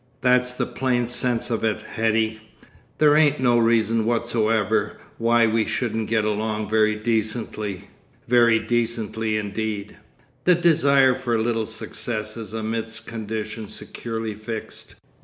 That's the plain sense of it, Hetty. There ain't no reason whatsoever why we shouldn't get along very decently—very decently indeed.' The desire for little successes amidst conditions securely fixed!